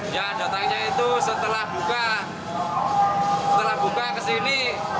ya datangnya itu setelah buka setelah buka kesini